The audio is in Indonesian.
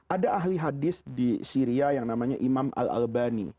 ada ahli hadis di syria yang namanya imam al albani